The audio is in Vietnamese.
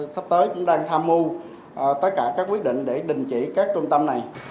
sắp tới cũng đang tham mưu tất cả các quyết định để đình chỉ các trung tâm này